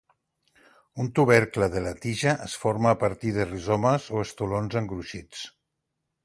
Un tubercle de la tija es forma a partir de rizomes o estolons engruixits.